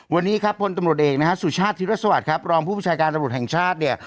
วันนี้ครับพลตำรวจเอกนะฮะสุชาติธิรสวัสดิ์ครับรองผู้ประชาการตำรวจแห่งชาติเนี่ย